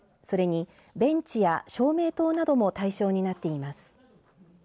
それにベンチや照明灯なども対象になっています。